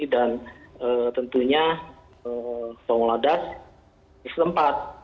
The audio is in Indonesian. dan tentunya pengelola dasar di setempat